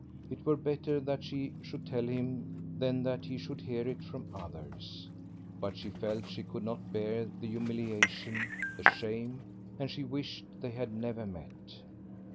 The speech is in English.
It were better that she should tell him than that he should hear it from others. But she felt she could not bear the humiliation, the shame; and she wished they had never met.